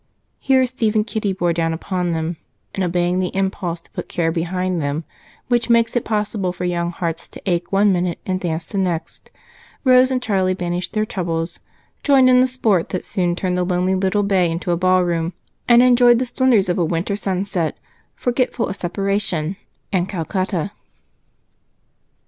Here Kitty and Steve bore down upon them; and, obeying the impulse to put care behind them, which makes it possible for young hearts to ache one minute and dance the next, Rose and Charlie banished their troubles, joined in the sport that soon turned the lonely little bay into a ballroom, and enjoyed the splendors of a winter sunset forgetful of separation and Calcutta.